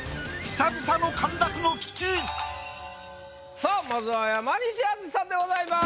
さあまずは山西惇さんでございます。